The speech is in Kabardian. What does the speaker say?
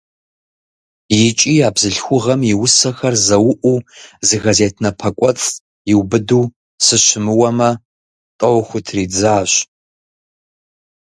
ИкӀи а бзылъхугъэм и усэхэр зэуӀуу, зы газет напэкӀуэцӀ иубыду, сыщымыуэмэ, тӀэу хутридзащ.